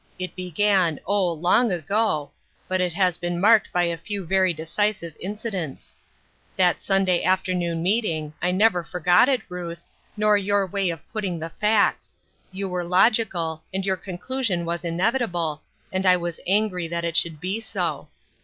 It began, oh ! long ago, but it has been marked by a few very decisive incidents. That Sunday afternoon meeting — I never forgot it, Ruth, nor your way of putting the facts ; you were logical, and your conclusion was inevitable, and I was angry that it should be so.